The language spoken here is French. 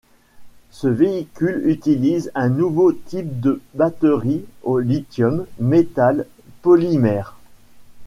Ce véhicule utilise un nouveau type de batteries au lithium-métal polymère.